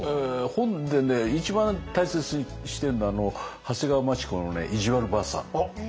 本でね一番大切にしてるのは長谷川町子のね「いじわるばあさん」。